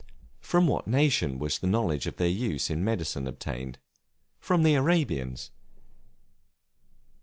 From what nation was the knowledge of their use in medicine obtained? From the Arabians.